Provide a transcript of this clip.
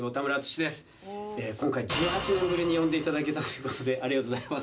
今回１８年ぶりに呼んで頂けたという事でありがとうございます。